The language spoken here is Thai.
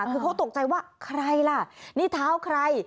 คือเขาตกใจว่าใครล่ะนี่เท้าใคร